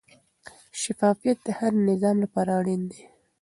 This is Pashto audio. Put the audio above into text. شفافیت د هر نظام لپاره اړین دی.